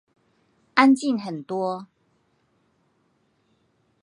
安靜很多